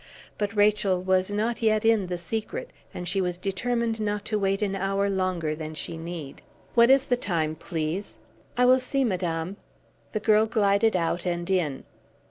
But Rachel was not yet in the secret, and she was determined not to wait an hour longer than she need. "What is the time, please?" "I will see, madame." The girl glided out and in.